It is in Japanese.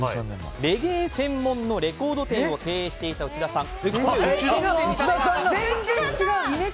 レゲエ専門のレコード店を経営していた内田さん。